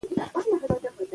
بې قربانۍ بریا نشته.